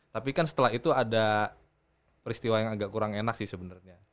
tapi kan setelah itu ada peristiwa yang agak kurang enak sih sebenarnya